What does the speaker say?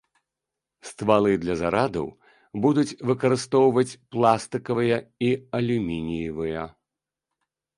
Ствалы для зарадаў будуць выкарыстоўваць пластыкавыя і алюмініевыя.